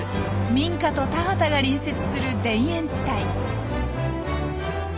民家と田畑が隣接する田園地帯。